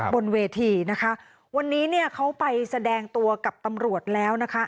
บนเวทีนะคะวันนี้เนี่ยเขาไปแสดงตัวกับตำรวจแล้วนะคะ